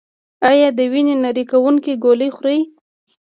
ایا د وینې نری کوونکې ګولۍ خورئ؟